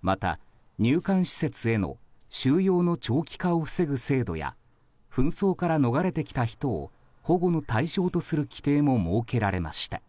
また、入管施設への収容の長期化を防ぐ制度や紛争から逃れてきた人を保護の対象とする規定も設けられました。